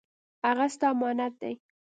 هغه ستا امانت دی